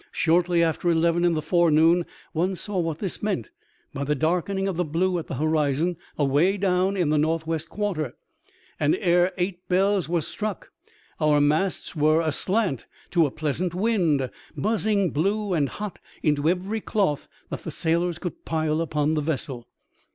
Shortly after eleven in the forenoon one saw what this meant by the darkening of the blue at the horizon away down in the north west quarter ; and ere eight bells were struck our masts were aslant to a pleasant wind, buzzing blue and hot into every cloth that the sailors could pile upon the vessel.